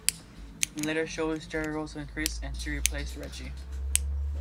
In later shows, Jerry's role was increased, and she replaced Reggie.